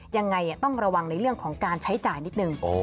ยังไงต้องระวังในเรื่องของการใช้จ่ายนิดนึง